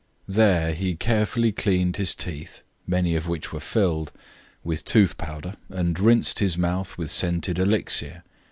There he carefully cleaned his teeth, many of which were filled, with tooth powder, and rinsed his mouth with scented elixir.